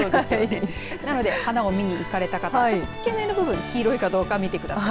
なので花を見に行かれた方付け根の部分黄色いかどうか見てください。